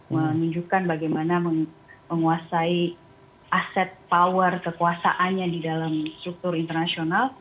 menunjukkan bagaimana menguasai aset power kekuasaannya di dalam struktur internasional